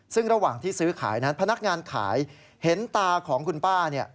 ซึ่งระหว่างที่ซื้อขายนั้นพนักงานขายเห็นตาของคุณป้าเนี่ย